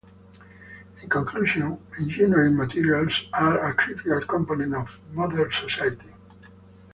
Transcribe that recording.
In conclusion, engineering materials are a critical component of modern society.